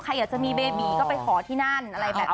ใครอาจจะมีเบบีก็ไปขอที่นั่น